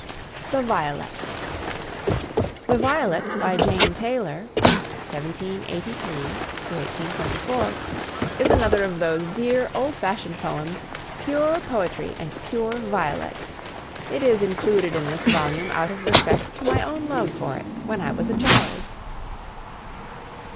THE VIOLET. "The Violet," by Jane Taylor (1783 1824), is another of those dear old fashioned poems, pure poetry and pure violet. It is included in this volume out of respect to my own love for it when I was a child.